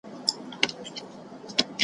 له ګیدړ څخه یې وکړله پوښتنه `